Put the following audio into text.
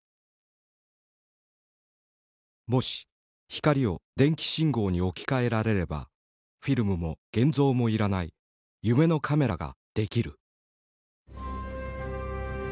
もし光を電気信号に置き換えられればフィルムも現像も要らない夢のカメラができる。